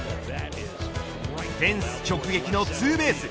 フェンス直撃のツーベース。